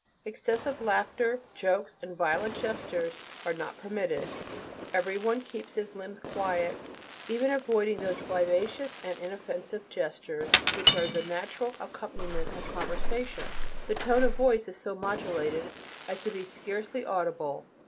Excessive laughter, jokes, and violent gestures are not permitted. Every one keeps his limbs quiet, even avoiding those vivacious and inoffensive gestures which are the natural accompaniment of conversation; the tone of voice is so modulated as to be scarcely audible.